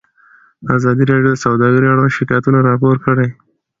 ازادي راډیو د سوداګري اړوند شکایتونه راپور کړي.